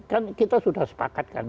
kan kita sudah sepakat kan